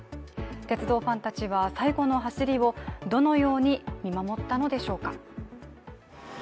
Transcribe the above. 鉄道ファンたちは最後の走りをどのように見守ったのでしょうか。